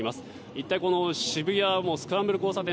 一体この渋谷スクランブル交差点